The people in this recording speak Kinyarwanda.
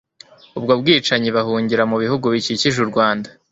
ubwo bwicanyi bahungira mu bihugu bikikije u Rwanda